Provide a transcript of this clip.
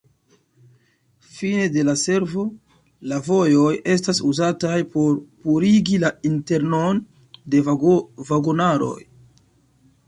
Fine de la servo, la vojoj estas uzataj por purigi la internon de vagonaroj.